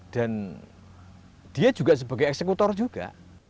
dan dia juga sebagai eksekutor juga